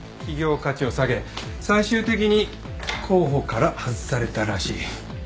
企業価値を下げ最終的に候補から外されたらしい。